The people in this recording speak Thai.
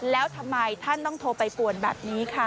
แล้วทำไมท่านต้องโทรไปป่วนแบบนี้ค่ะ